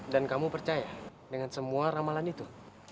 dan kamu percaya dengan semua ramalan itu